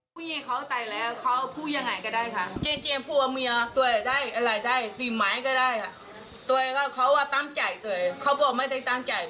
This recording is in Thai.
ตัวนี้ค้าหนึ่งตัวนี้ค้าหนึ่งตัวนี้ค้าหนึ่งแล้วก็มือมือค้าหนึ่ง